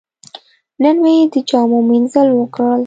نن مې د جامو مینځل وکړل.